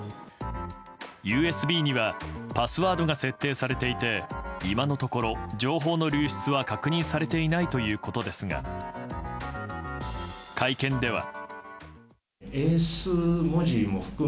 ＵＳＢにはパスワードが設定されていて今のところ情報の流出は確認されていないということですが会見では。